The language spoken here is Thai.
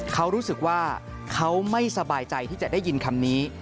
เขารู้สึกว่าเขาไม่สบายใจที่จะได้ยินคำนี้